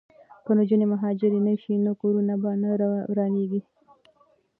که نجونې مهاجرې نه شي نو کورونه به نه ورانیږي.